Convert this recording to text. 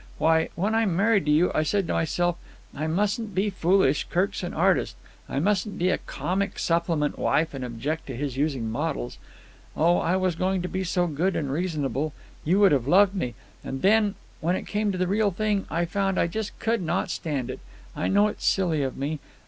Why, when I married you, I said to myself: 'I mustn't be foolish. Kirk's an artist, I mustn't be a comic supplement wife and object to his using models!' Oh, I was going to be so good and reasonable. You would have loved me! And then, when it came to the real thing, I found I just could not stand it. I know it's silly of me.